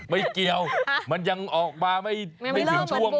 ไม่เกี่ยวมันยังออกมาไม่ถึงช่วง